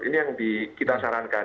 ini yang kita sarankan